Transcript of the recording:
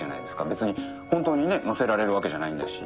別に本当に乗せられるわけじゃないんだし。